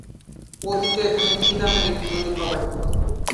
অতীতে এখানে চি নামের একটি নদী প্রবাহিত হত।